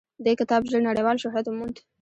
دې کتاب ژر نړیوال شهرت وموند.